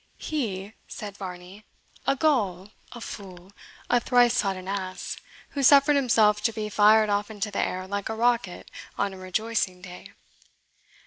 "He!" said Varney; "a, gull, a fool, a thrice sodden ass, who suffered himself to be fired off into the air like a rocket on a rejoicing day.